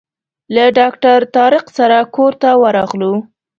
له ډاکټر طارق سره کور ته ورغلو.